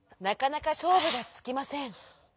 なかなかしょうぶがつきません。